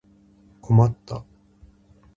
困った